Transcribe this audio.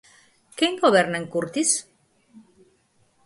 ¿Quen goberna en Curtis?